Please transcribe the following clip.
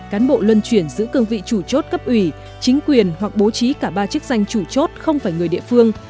cán bộ luân chuyển giữ cương vị chủ chốt cấp ủy chính quyền hoặc bố trí cả ba chức danh chủ chốt không phải người địa phương